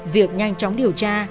việc nhanh chóng điều tra